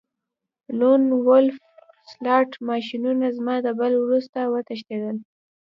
لون وولف سلاټ ماشینونه زما د بل وروسته وتښتیدل